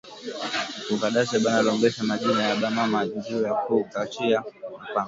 Ku cadastre bana lombesha ma jina ya ba mama njuya ku ba kachiya ma pango